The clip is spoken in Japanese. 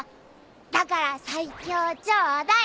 だから最強ちょうだい。